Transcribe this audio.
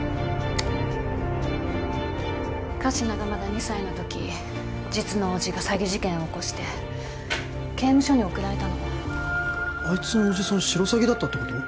神志名がまだ２歳の時実の叔父が詐欺事件を起こして刑務所に送られたのあいつの叔父さんシロサギだったってこと？